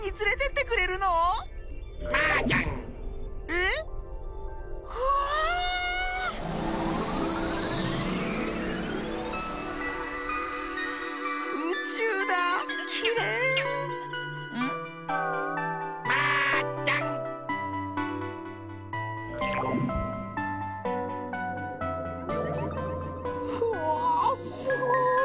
うわあすごい。